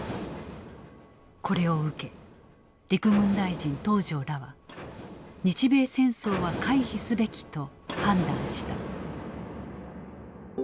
これを受け陸軍大臣東條らは日米戦争は回避すべきと判断した。